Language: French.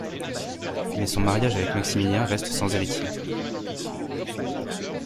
Mais son mariage avec Maximilien reste sans héritier.